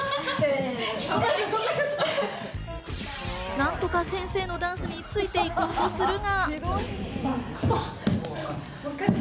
何とか先生のダンスについて行こうとするが。